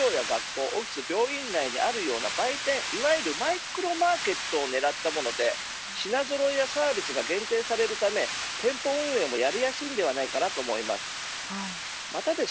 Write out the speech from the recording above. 今回の取り組みは工場や学校オフィス、病院内にあるような売店いわゆるマイクロマーケットをねらったもので品ぞろえやサービスが限定されるため店舗運営もやりやすいと思います。